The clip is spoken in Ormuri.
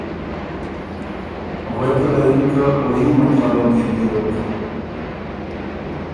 غوېکه له یِن که ”او يي مطلبه ميې بیوک“